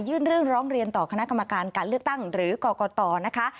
เรื่องร้องเรียนต่อคณะกรรมการการเลือกตั้งหรือกรกตนะคะ